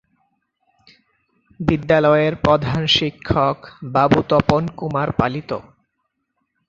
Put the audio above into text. বিদ্যালয়ের প্রধান শিক্ষক বাবু তপন কুমার পালিত।